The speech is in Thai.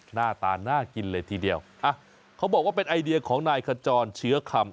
หน้าตาน่ากินเลยทีเดียวอ่ะเขาบอกว่าเป็นไอเดียของนายขจรเชื้อคำ